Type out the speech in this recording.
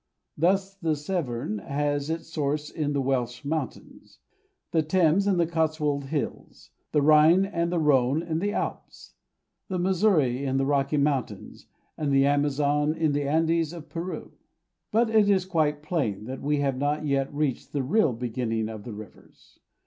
Thus, the Severn has its source in the Welsh Mountains; the Thames in the Cotswold Hills; the Rhine and the Rhone in the Alps; the Missouri in the Rocky Mountains; and the Amazon in the Andes of Peru. But it is quite plain, that we have not yet reached the real beginning of the rivers.